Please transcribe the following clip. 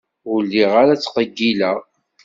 Ur lliɣ ara ttqeyyileɣ.